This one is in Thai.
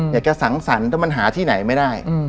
อยากจะสังสรรค์มันหาที่ไหนไม่ได้